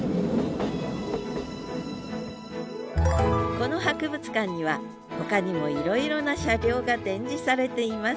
この博物館にはほかにもいろいろな車両が展示されています。